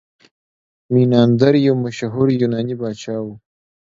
میناندر یو مشهور یوناني پاچا و